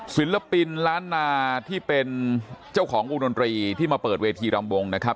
ศิลปินล้านนาที่เป็นเจ้าของวงดนตรีที่มาเปิดเวทีรำวงนะครับ